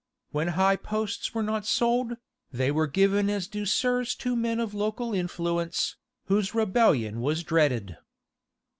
When high posts were not sold, they were given as douceurs to men of local influence, whose rebellion was dreaded.